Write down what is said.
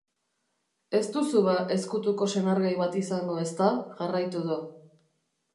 Ez duzu ba ezkutuko senargai bat izango, ezta?, jarraitu du.